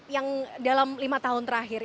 yang dalam lima tahun terakhir